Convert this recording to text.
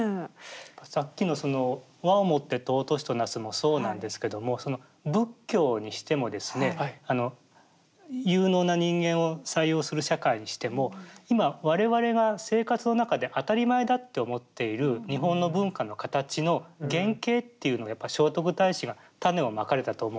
さっきの「和を以て貴しとなす」もそうなんですけども仏教にしてもですね有能な人間を採用する社会にしても今我々が生活の中で当たり前だって思っている日本の文化の形の原型っていうのはやっぱ聖徳太子が種をまかれたと思うんですよ。